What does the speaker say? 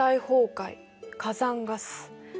崩壊火山ガス。